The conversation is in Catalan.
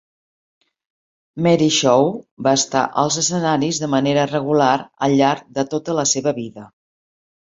Mary Shaw va estar als escenaris de manera regular al llarg de tota la seva vida.